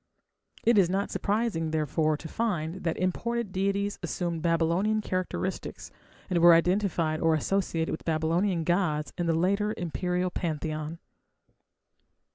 It is not surprising, therefore, to find that imported deities assumed Babylonian characteristics, and were identified or associated with Babylonian gods in the later imperial pantheon.